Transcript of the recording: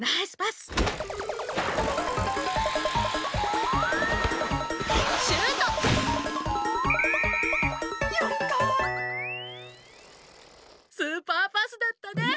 スーパーパスだったね！